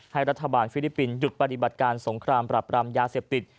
รัฐบาลฟิลิปปินส์หยุดปฏิบัติการสงครามปรับรามยาเสพติด